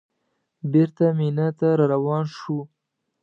بېرته مینا ته راروان شوو.